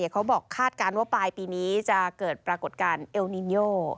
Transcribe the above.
คาดการณ์ว่าปลายปีนี้จะเกิดปรากฏการณ์เอลนินโย